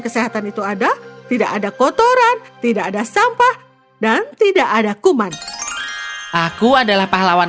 kesehatan itu ada tidak ada kotoran tidak ada sampah dan tidak ada kuman aku adalah pahlawan